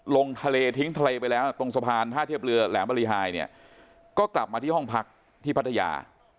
ลงทะเลทิ้งทะเลไปแล้วตรงสะพานท่าเทียบเรือแหลมบริหายเนี่ยก็กลับมาที่ห้องพักที่พัทยา